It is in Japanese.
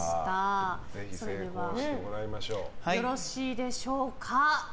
それではよろしいでしょうか。